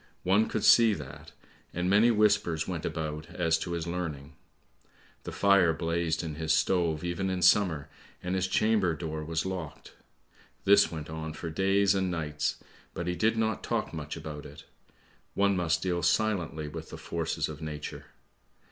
One could see that, and many whispers went about as to his learning. The fire blazed in his stove even in summer, and his chamber door was locked. This went on for days and nights, but he did not talk much about it. One must deal silently with the forces of nature.